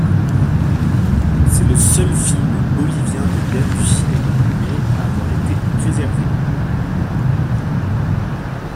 C'est le seul film bolivien de l'ère du cinéma muet à avoir été préservé.